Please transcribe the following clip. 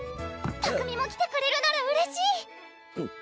拓海も来てくれるならうれしい！